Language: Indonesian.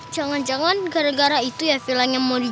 jangan jangan gara gara itu ya vilanya mau tidur di mes